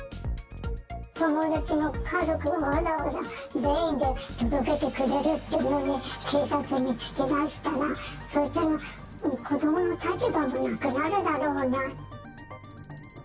友達の家族がわざわざ善意で届けてくれるというのに、警察に突き出したら、そうしたら子どもの立場もなくなるだろうな。